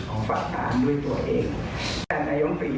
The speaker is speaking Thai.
ไม่ดีกว่าจะเป็นต้องไปจ่ายงบประมาณจำนวนไม่น้อย